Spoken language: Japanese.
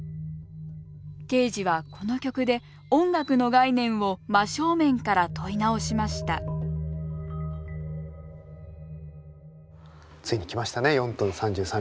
ケージはこの曲で音楽の概念を真正面から問い直しましたついに来ましたね「４分３３秒」が。